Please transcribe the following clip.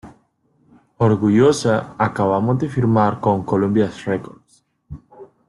Orgullosa acabamos de firmar con Columbia Records.